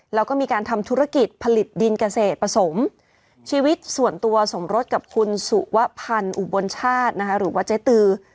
แล้วก็มีการทำธุรกิจผลิตดินเกษตรผสมชีวิตส่วนตัวสมรสกับคุณสุวพันธ์อุบลชาตินะคะหรือว่าเจ๊ตือ